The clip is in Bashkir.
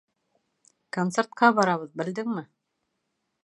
Концертҡа барабыҙ, белдеңме?